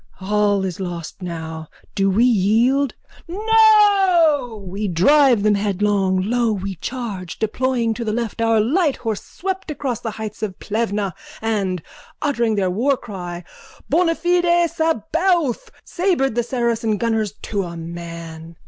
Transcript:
All is lost now! Do we yield? No! We drive them headlong! Lo! We charge! Deploying to the left our light horse swept across the heights of Plevna and, uttering their warcry Bonafide Sabaoth, sabred the Saracen gunners to a man.